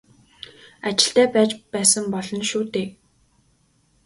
Ажилтай байж байсан болно шүү дээ.